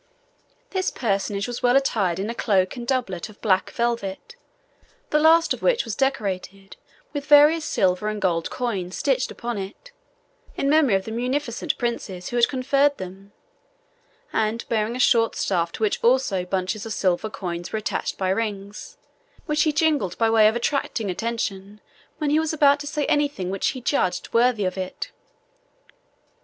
This personage was well attired in a cloak and doublet of black velvet, the last of which was decorated with various silver and gold coins stitched upon it, in memory of the munificent princes who had conferred them, and bearing a short staff to which also bunches of silver coins were attached by rings, which he jingled by way of attracting attention when he was about to say anything which he judged worthy of it.